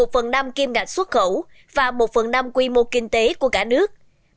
một phần năm kim ngạch xuất khẩu và một phần năm quy mô kinh tế của cả nước